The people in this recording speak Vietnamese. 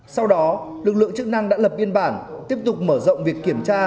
sau đó lực lượng chức năng đã lập biên bản tiếp tục mở rộng việc kiểm tra